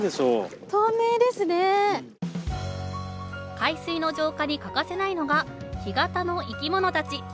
海水の浄化に欠かせないのが干潟の生き物たち。